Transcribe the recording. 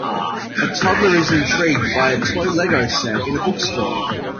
A toddler is intrigued by a toy lego set in a bookstore.